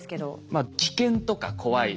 まあ危険とか怖い。